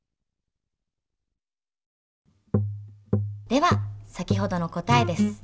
では先ほどの答えです。